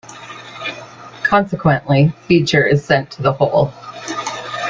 Consequently, Beecher is sent to the hole.